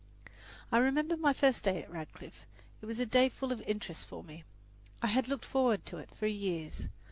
I remember my first day at Radcliffe. It was a day full of interest for me. I had looked forward to it for years.